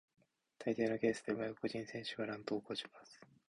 大抵のケースでは外国人選手が乱闘を起こします。